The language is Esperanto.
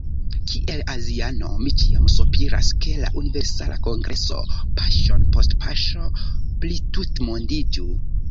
Kiel aziano mi ĉiam sopiras ke la Universala Kongreso paŝon post paŝo plitutmondiĝu.